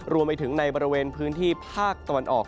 รวมไปถึงในบริเวณพื้นที่ภาคตะวันออก